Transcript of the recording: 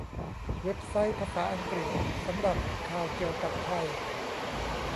เว็บไซต์ภาษาอังกฤษ สำหรับข่าวเกี่ยวกับไทย